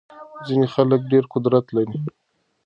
ځينې خلګ ډېر قدرت لري.